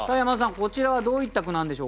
こちらはどういった句なんでしょうか？